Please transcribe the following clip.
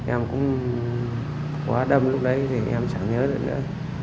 em cũng quá đâm lúc đấy thì em chẳng nhớ đấy nữa